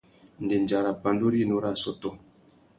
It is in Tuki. Ndéndja râ pandú rinú râ assôtô.